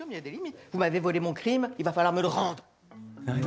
何？